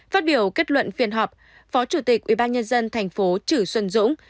phát biểu kết luận phiên họp phó chủ tịch ubnd tp trữ xuân dũng